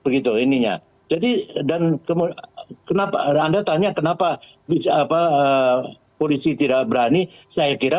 begitu ininya jadi dan kenapa anda tanya kenapa bisa apa polisi tidak berani saya kira